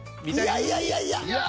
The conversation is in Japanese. いやいやいやいや。